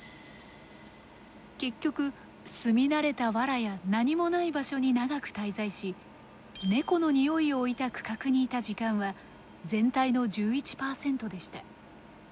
結局住み慣れた藁や何もない場所に長く滞在しネコのにおいを置いた区画にいた時間は全体の１１％でした。